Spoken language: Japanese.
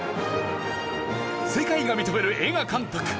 世界が認める映画監督